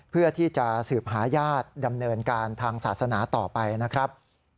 เพื่อที่จะสืบหาญาติดำเนินการทางศาสนาต่อไปนะครับ